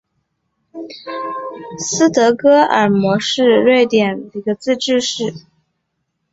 斯德哥尔摩市是瑞典中东部斯德哥尔摩省的一个自治市。